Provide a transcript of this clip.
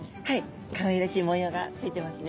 かわいらしい模様がついてますね。